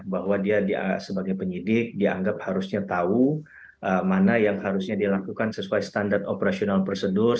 bahwa dia sebagai penyidik dianggap harusnya tahu mana yang harusnya dilakukan sesuai standar operasional prosedur